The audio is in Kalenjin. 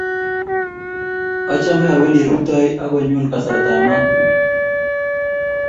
Achame awendi rutoi ak konyun kasartap maat.